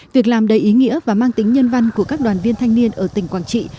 việc làm đầy ý nghĩa và mang tính nhân văn của các đoàn viên thanh niên ở tỉnh quảng trị